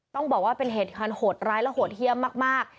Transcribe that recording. ต้องบอกว่าเป็นเหตุการณ์โหดร้ายและโหดเยี่ยมมาก